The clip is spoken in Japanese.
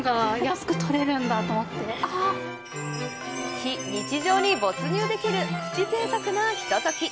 非日常に没入できるプチぜいたくなひととき。